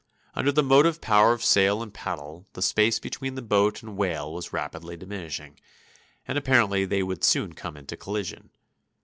Under the motive power of sail and paddle the space between the boat and whale was rapidly diminishing, and apparently they would soon come into collision.